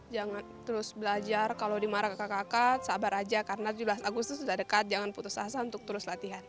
jangan terus belajar kalau dimarah kakak kakak sabar aja karena tujuh belas agustus sudah dekat jangan putus asa untuk terus latihan